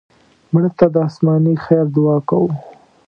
مړه ته د آسماني خیر دعا کوو